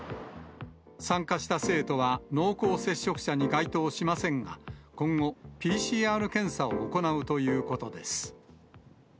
参加した生徒は濃厚接触者に該当しませんが、今後、ＰＣＲ検査を行うということです。